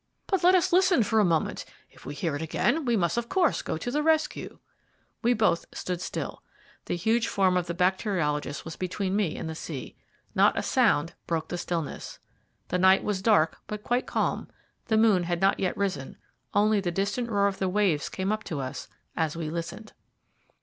"But let us listen for a moment. If we hear it again, we must of course go to the rescue." We both stood still. The huge form of the bacteriologist was between me and the sea. Not a sound broke the stillness. The night was dark but quite calm, the moon had not yet risen, only the distant roar of the waves came up to us as we listened.